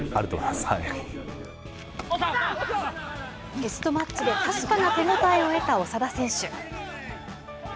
テストマッチで確かな手応えを得た長田選手。